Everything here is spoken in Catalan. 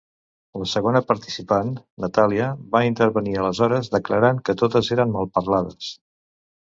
La segona participant, Natàlia, va intervenir aleshores declarant que totes eren malparlades.